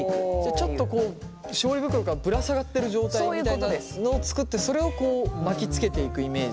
ちょっとこう絞り袋からぶら下がってる状態みたいなのを作ってそれを巻きつけていくイメージ？